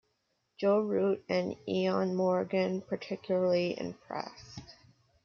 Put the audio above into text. Joe Root and Eoin Morgan particularly impressed.